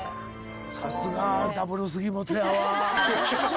さすがダブル杉本やわ！